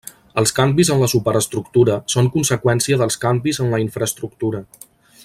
Els canvis en la superestructura són conseqüència dels canvis en la infraestructura.